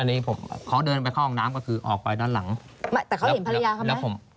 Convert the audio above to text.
อันนี้ผมเขาเดินไปเข้าห้องน้ำก็คือออกไปด้านหลังไม่แต่เขาเห็นภรรยาเขาแล้วผม